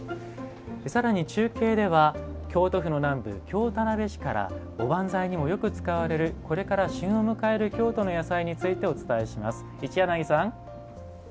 さらに中継では京都府の南部、京田辺市からおばんざいにもよく使われるこれから旬を迎える京都の野菜についてお伝えします。